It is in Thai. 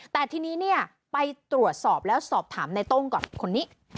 แต่ทีนี้เนี่ยไปตรวจสอบแล้วสอบถามในต้งก่อนคนนี้